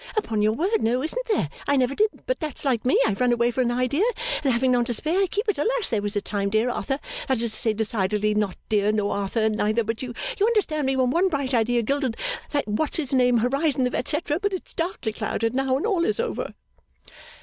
'Upon your word no isn't there I never did but that's like me I run away with an idea and having none to spare I keep it, alas there was a time dear Arthur that is to say decidedly not dear nor Arthur neither but you understand me when one bright idea gilded the what's his name horizon of et cetera but it is darkly clouded now and all is over.